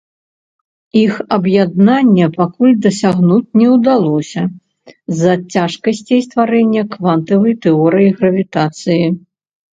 Іх аб'яднання пакуль дасягнуць не ўдалося з-за цяжкасцей стварэння квантавай тэорыі гравітацыі.